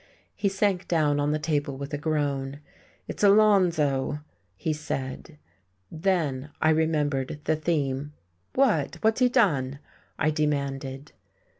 He sank down on the table with a groan. "It's Alonzo," he said. Then I remembered the theme. "What what's he done?" I demanded.